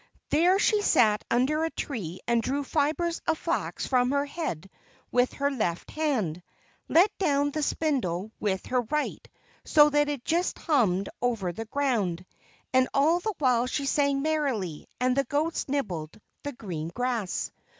There she sat under a tree and drew fibres of the flax from her head with her left hand, and let down the spindle with her right, so that it just hummed over the ground. And all the while she sang merrily, and the goats nibbled the green grass.